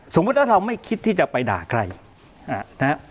สมมุติว่าเราไม่คิดที่จะไปด่าใครนะครับ